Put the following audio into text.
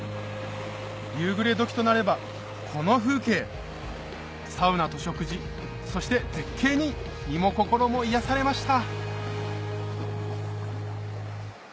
夕暮れ時となればこの風景サウナと食事そして絶景に身も心も癒やされました